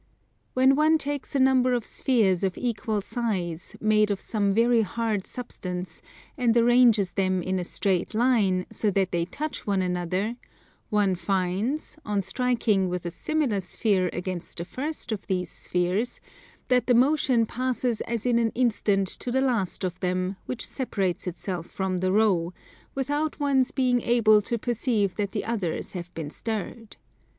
When one takes a number of spheres of equal size, made of some very hard substance, and arranges them in a straight line, so that they touch one another, one finds, on striking with a similar sphere against the first of these spheres, that the motion passes as in an instant to the last of them, which separates itself from the row, without one's being able to perceive that the others have been stirred.